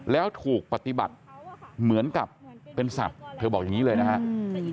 แล้วถูกปฏิบัติเหมือนกับเป็นสัตว์เธอบอกอย่างนี้เลยนะครับ